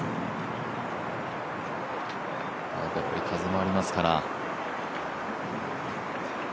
風もありますから。